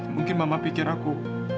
mungkin mama pikir aku